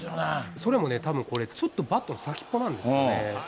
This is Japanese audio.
それもね、これちょっとバットの先っぽなんですよね。